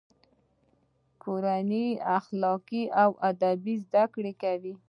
کورنۍ اخلاق او ادب زده کوي.